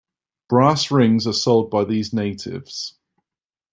Brass rings are sold by these natives.